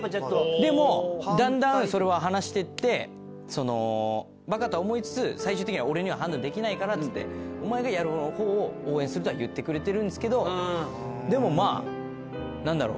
でもだんだんそれは話してってバカとは思いつつ「最終的には俺には判断できないから」っつって「お前がやるほうを応援する」とは言ってくれてるんですけどでもまぁ何だろう。